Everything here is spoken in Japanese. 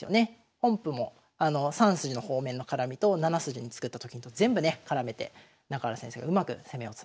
本譜も３筋の方面の絡みと７筋に作ったと金と全部ね絡めて中原先生がうまく攻めをつなげましたね。